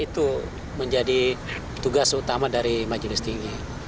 itu menjadi tugas utama dari majelis tinggi